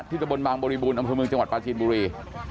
ที่ตะบนบางบุรีบูรณ์อำนาจมือจังหวัดประจีนบุรี